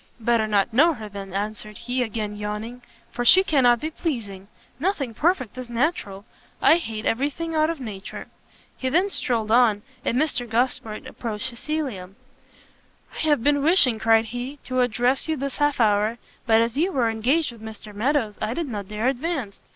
"Better not know her, then," answered he, again yawning, "for she cannot be pleasing. Nothing perfect is natural; I hate every thing out of nature." He then strolled on, and Mr Gosport approached Cecilia. "I have been wishing," cried he, "to address you this half hour, but as you were engaged with Mr Meadows, I did not dare advance."